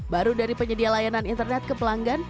baru dari penyedia layanan internet ke pelanggan